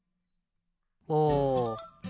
お！